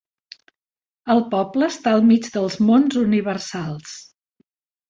El poble està al mig dels Monts Universals.